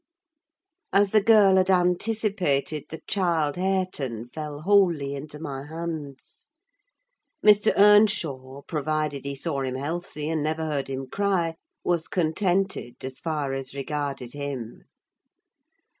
As the girl had anticipated, the child Hareton fell wholly into my hands. Mr. Earnshaw, provided he saw him healthy and never heard him cry, was contented, as far as regarded him.